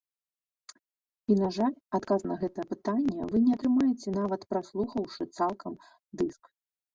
І, на жаль, адказ на гэта пытанне вы не атрымаеце нават праслухаўшы цалкам дыск.